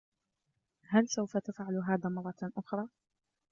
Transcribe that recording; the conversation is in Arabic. هل سوف تفعل هذا مرة أخرى؟